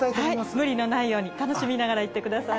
無理のないように楽しみながら行ってください